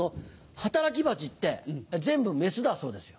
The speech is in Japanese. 働き蜂って全部メスだそうですよ。